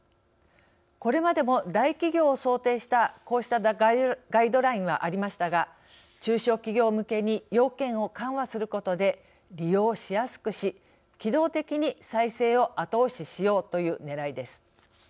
これまでも、大企業を想定したこうしたガイドラインはありましたが、中小企業向けに要件を緩和することで利用しやすくし、機動的に再生を後押ししようというねらいです。